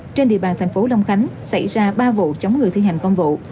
trên địa bàn thành phố đông khánh xảy ra ba vụ chống người thi hành công vụ